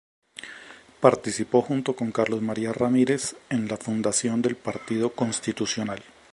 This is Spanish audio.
Participó junto con Carlos María Ramírez en la fundación del Partido Constitucional.